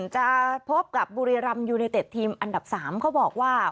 จะพบกับบุรีรำยูไนเต็ดทีมอันดับ๓เขาบอกว่า